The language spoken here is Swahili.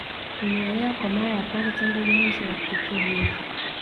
Hunyolewa kwa mara ya kwanza tangu mwanzo wa tukio hili